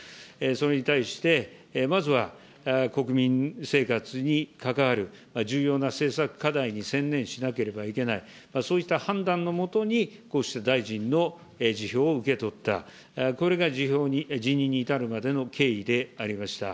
それに対して、まずは国民生活に関わる重要な政策課題に専念しなければいけない、そういった判断のもとに、こうした大臣の辞表を受け取った、これが辞任に至るまでの経緯でありました。